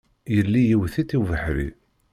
Yelli iwet-itt ubeḥri.